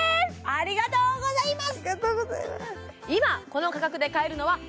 ありがとうございます